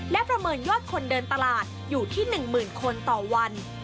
และประเมินยอดคนเดินตลาดอยู่ที่๑๐๐๐คนต่อวัน